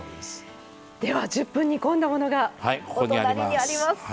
では１０分煮込んだものがお隣にあります。